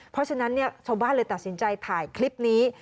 เพราะฉะนั้นชาวบ้านเลยตัดสินใจถ่ายคลิปนี้